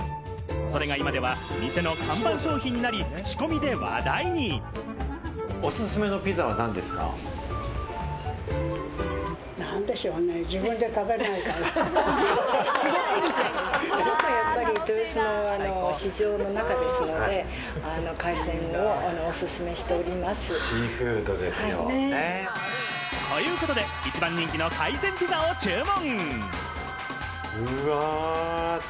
それが今では店の看板商品になり、クチコミで話題に。ということで一番人気の海鮮ピザを注文。